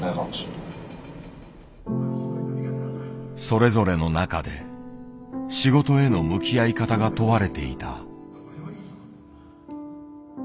それぞれの中で仕事への向き合い方が問われていた。